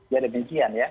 jadi demikian ya